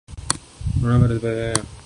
corona virus پر ف